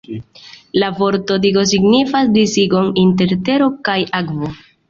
La vorto 'digo' signifas disigon inter tero kaj akvo.